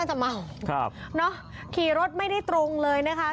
คือทีรถไม่ได้ตรงเลยค่ะ